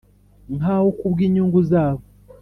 nkaho kubwinyungu zabo,